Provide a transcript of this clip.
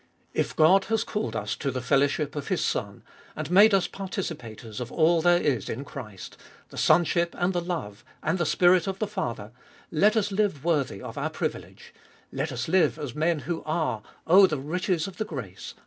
If God has called us to the fellowship of His Son, and made us participators of all there is in Christ, the son ship, and the love, and the Spirit of the Father, let us live worthy of our privilege — let us live as men who are — oh the riches of the grace